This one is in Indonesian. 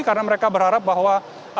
karena mereka berharap bahwa